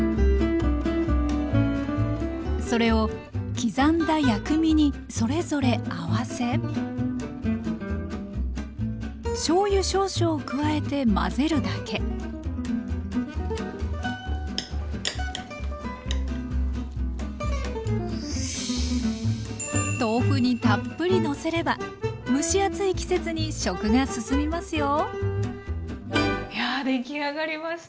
それを刻んだ薬味にそれぞれ合わせしょうゆ少々を加えて混ぜるだけ豆腐にたっぷりのせれば蒸し暑い季節に食が進みますよいや出来上がりました。